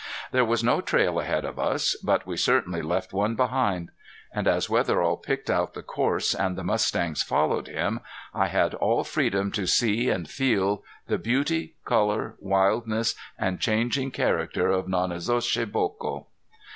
There was no trail ahead of us, but we certainly left one behind. And as Wetherill picked out the course and the mustangs followed him I had all freedom to see and feel the beauty, color, wildness and changing character of Nonnezoshe Boco.